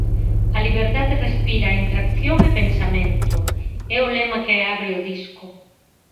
"A liberdade respira entre acción e pensamento", é o lema que abre o disco.